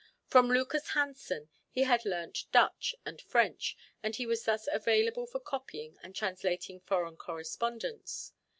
From Lucas Hansen he had learnt Dutch and French, and he was thus available for copying and translating foreign correspondence.